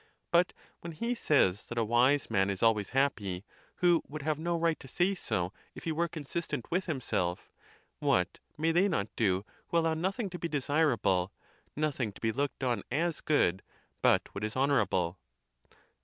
But when he says. that a wise man is always happy who would have no right to say so if he were consistent with himself, what may they not do who allow nothing to be desirable, nothing to be looked on as good but what is honorable?